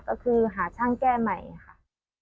ก็คือหาช่างแก้ใหม่ค่ะ